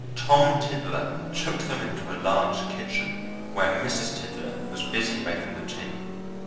Tom Tiddler took them into a large kitchen where Mrs. Tiddler was busy making the tea.